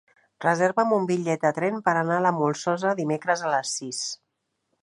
Reserva'm un bitllet de tren per anar a la Molsosa dimecres a les sis.